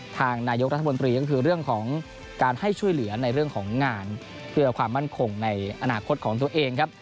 ทางนายกรัฐมนตรีก็คือเรื่องของการให้ช่วยเหลือในเรื่องของงานเพื่อความมั่นคงในอนาคตของตัวเองครับ